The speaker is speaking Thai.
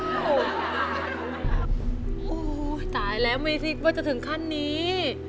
โอ้โหตายแล้วไม่คิดว่าจะถึงขั้นนี้